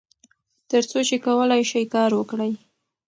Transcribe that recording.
تر څو چې کولای شئ کار وکړئ.